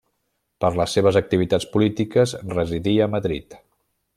Per les seves activitats polítiques residí a Madrid.